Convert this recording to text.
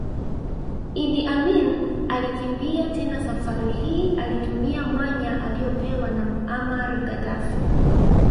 Idi Amin alikimbia tena Safari hii alitumia mwanya aliopewa na Muammar Gaddafi